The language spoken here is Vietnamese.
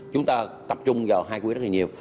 chúng ta tập trung vào hai quỹ đất này nhiều